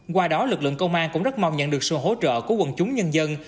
qua đó lực lượng công an cũng rất mong nhận được sự hỗ trợ của quần chúng nhân dân